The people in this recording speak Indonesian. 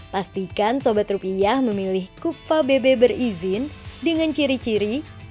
pastikan sobat rupiah memilih kukva bebe berizin dengan ciri ciri